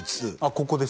ここです